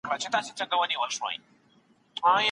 د پېغورونو وېره بايد د رښتيا ويلو خنډ نسي.